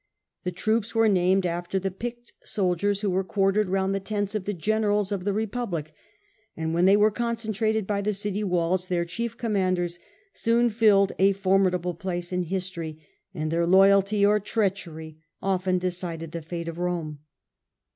The troops were ™' named after the picked soldiers who were quartered round the tents of the generals of the Repub lic, and when they were concentrated by the city walls their chief commanders soon filled a formidable place in history, and their loyalty or treachery often decided the fate of Rome.